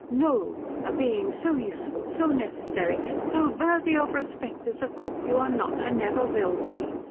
No a being so useful, so necessary, so worthy of respect as a cook you are not and never will be.